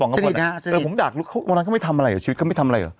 ครับผมดากก็ไม่ทำอะไรอ่ะชีวิตเขาไม่ทำอะไรครับ